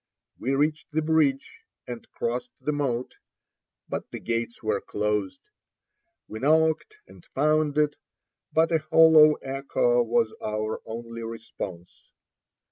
We reached the bridge, and crossed the moat, but the gates were closed. We knocked and pounded, but a hollow echo was our only response.